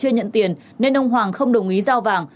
nên ông hoàng không đồng ý giao vàng